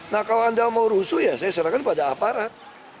nah kalau anda mau rusuh ya saya serahkan pada aparat